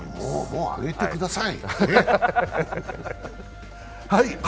もうあげてください！